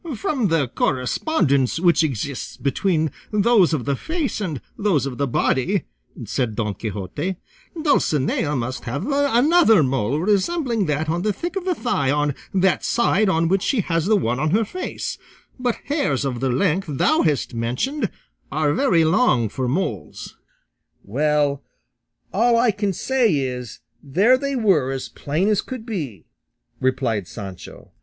"From the correspondence which exists between those of the face and those of the body," said Don Quixote, "Dulcinea must have another mole resembling that on the thick of the thigh on that side on which she has the one on her face; but hairs of the length thou hast mentioned are very long for moles." "Well, all I can say is there they were as plain as could be," replied Sancho.